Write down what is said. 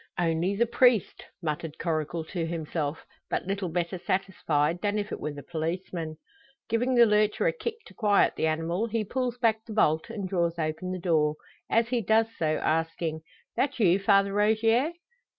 "Only the priest!" muttered Coracle to himself, but little better satisfied than if it were the policeman. Giving the lurcher a kick to quiet the animal, he pulls back the bolt, and draws open the door, as he does so asking, "That you, Father Rogier?"